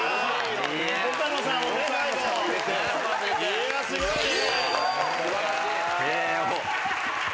いやすごいね。